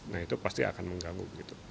nah itu pasti akan mengganggu gitu